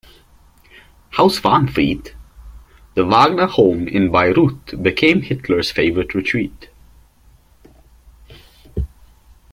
"Haus Wahnfried", the Wagner home in Bayreuth, became Hitler's favorite retreat.